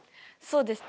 そうです。